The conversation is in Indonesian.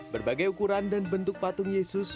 berbagai ukuran dan bentuk patung yesus